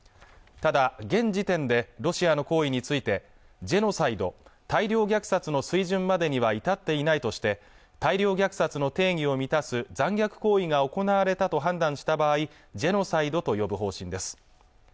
ただ現時点でロシアの行為についてジェノサイド＝大量虐殺の水準までには至っていないとして大量虐殺の定義を満たす残虐行為が行われたと判断した場合ジェノサイドと呼ぶ方針です